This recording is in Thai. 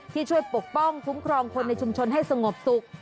ที่ช่วยปกป้องคุ้มครองคนในชุมชนให้สงบสุข